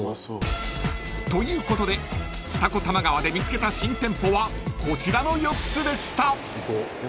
［ということで二子玉川で見つけた新店舗はこちらの４つでした］